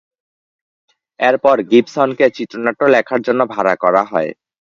এরপর গিপসনকে চিত্রনাট্য লেখার জন্য ভাড়া করা হয়।